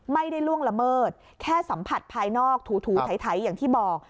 ล่วงละเมิดแค่สัมผัสภายนอกถูไถอย่างที่บอก